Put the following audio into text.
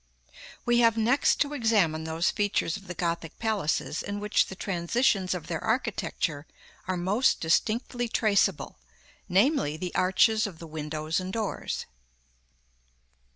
We have next to examine those features of the Gothic palaces in which the transitions of their architecture are most distinctly traceable; namely, the arches of the windows and doors.